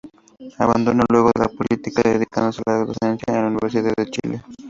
Abandonó luego la política, dedicándose a la docencia en la Universidad de Chile.